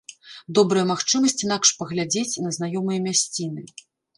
Добрая магчымасць інакш паглядзець на знаёмыя мясціны.